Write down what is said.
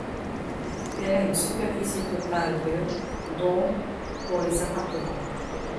Elle a une superficie totale de dont pour les appartements.